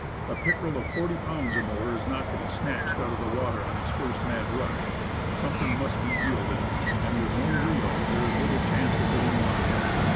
A pickerel of forty pounds or more is not to be snatched out of the water on his first mad rush; some thing must be yielded and with no reel there is little chance of giving line.